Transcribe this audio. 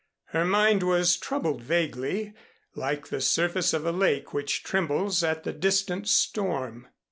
Her mind was troubled vaguely, like the surface of a lake which trembles at the distant storm.